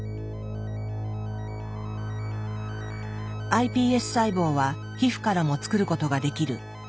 ｉＰＳ細胞は皮膚からも作ることができる。